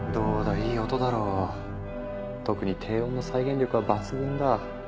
いい音だろ特に低音の再現力は抜群だ。